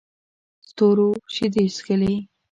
ستورو شیدې چښلې